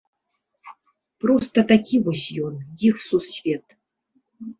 Проста такі вось ён, іх сусвет.